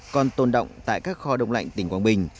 còn tồn động tại các kho đông lạnh tỉnh quảng bình